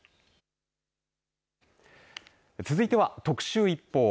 続いては特集ＩＰＰＯＵ。